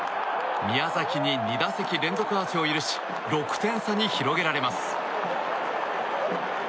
宮崎に２打席連続アーチを許し６点差に広げられます。